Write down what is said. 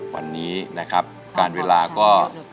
วันนี้นะครับการเวลาก็